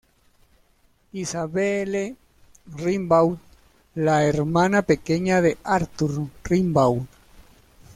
Isabelle Rimbaud: La hermana pequeña de Arthur Rimbaud.